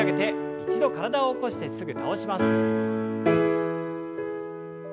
一度体を起こしてすぐ倒します。